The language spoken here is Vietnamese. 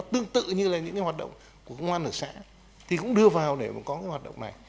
tương tự như là những cái hoạt động của công an ở xã thì cũng đưa vào để mà có cái hoạt động này